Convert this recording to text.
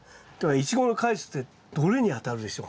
イチゴの果実ってどれに当たるでしょう？